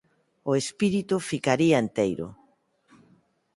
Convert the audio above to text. O espírito ficaría enteiro.